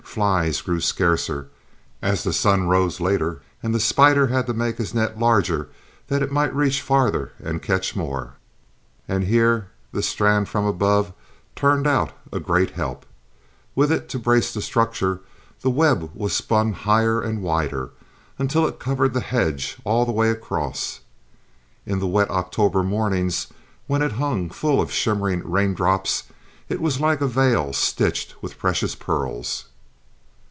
Flies grew scarcer, as the sun rose later, and the spider had to make his net larger that it might reach farther and catch more. And here the strand from above turned out a great help. With it to brace the structure, the web was spun higher and wider, until it covered the hedge all the way across. In the wet October mornings, when it hung full of shimmering raindrops, it was like a veil stitched with precious pearls.